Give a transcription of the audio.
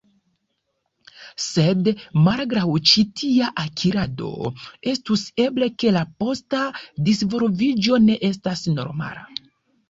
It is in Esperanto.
Sed, malgraŭ ĉi tia akirado, estus eble, ke la posta disvolviĝo ne estas normala.